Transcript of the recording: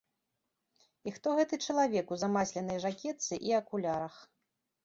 І хто гэты чалавек у замасленай жакетцы і акулярах?